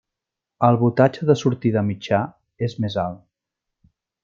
El voltatge de sortida mitjà és més alt.